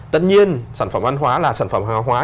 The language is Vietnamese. tất nhiên sản phẩm văn hóa là sản phẩm hàng hóa